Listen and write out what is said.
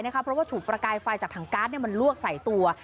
เพราะว่าถูกประกายไฟจากถังการ์ดมันลวกใส่ตัว